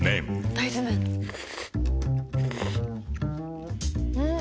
大豆麺ん？